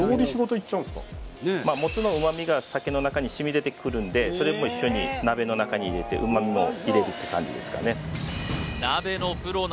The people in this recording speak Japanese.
もつの旨味が酒の中にしみ出てくるんでそれも一緒に鍋の中に入れて旨味も入れるって感じですかね